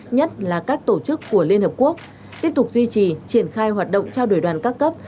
nhất là các tổ chức của liên hợp quốc tiếp tục duy trì triển khai hoạt động trao đổi đoàn các cấp